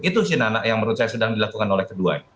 itu yang menurut saya sedang dilakukan oleh keduanya